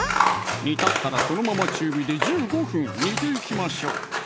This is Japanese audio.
煮立ったらそのまま中火で１５分煮ていきましょう